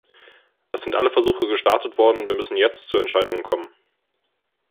Es sind alle Versuche gestartet worden, wir müssen jetzt zu Entscheidungen kommen.